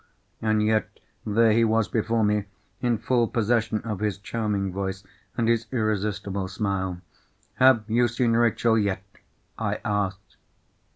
And yet there he was before me, in full possession of his charming voice and his irresistible smile! "Have you seen Rachel yet?" I asked.